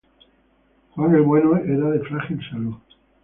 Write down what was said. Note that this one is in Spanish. Juan el Bueno era de frágil salud.